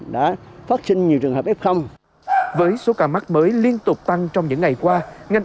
đã phát sinh nhiều trường hợp f với số ca mắc mới liên tục tăng trong những ngày qua